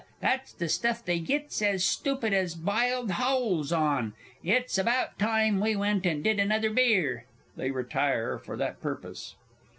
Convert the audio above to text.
That's the stuff they gits as stoopid as biled howls on it's about time we went and did another beer. [_They retire for that purpose.